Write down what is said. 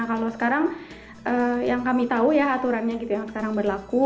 kalau sekarang yang kami tahu ya aturannya gitu yang sekarang berlaku